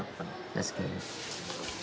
確かに。